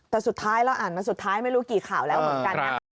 แต่สุดท้ายเราอ่านมาสุดท้ายไม่รู้กี่ข่าวแล้วเหมือนกันนะคะ